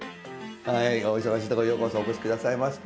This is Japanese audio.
お忙しいところようこそお越し下さいました。